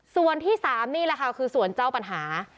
ส่วนที่๓นี่แหละค่ะคือส่วนเจ้าปัญหา